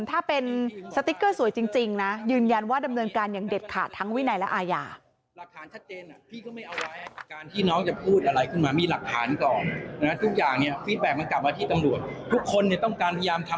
ถ้าเป็นสติ๊กเกอร์สวยจริงนะยืนยันว่าดำเนินการอย่างเด็ดขาดทั้งวินัยและอาญา